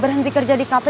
berhenti kerja di kafe